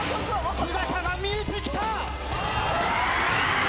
姿が見えてきた！